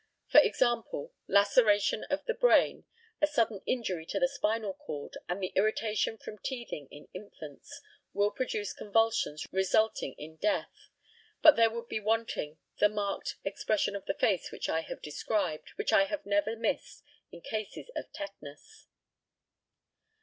For example, laceration of the brain, a sudden injury to the spinal cord, and the irritation from teething in infants, will produce convulsions resulting in death; but there would be wanting the marked expression of the face which I have described, which I have never missed in cases of tetanus.